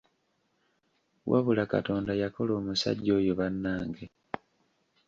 Wabula Katonda yakola omusajja oyo bannange.